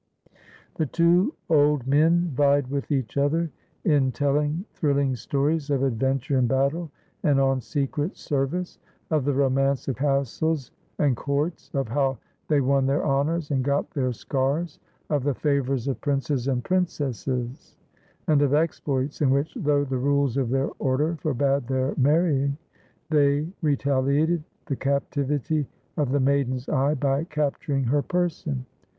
The two old men vied with each other in telling thrill ing stories of adventure in battle and on secret service; of the romance of castles and courts; of how they won their honors and got their scars ; of the favors of princes and princesses; and of exploits in which, though the rules of their order forbade their marrying, they retali ated the captivity of the maiden's eye by capturing her person.